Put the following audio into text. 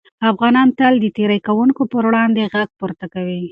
افغانانو تل د تېري کوونکو پر وړاندې غږ پورته کړی.